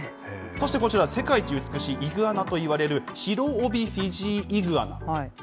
そしてこちら、世界一美しいイグアナといわれる、ヒロオビフィジーイグアナ。